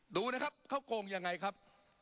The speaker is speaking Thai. ดูนะครับเขาโกงยังไงครับ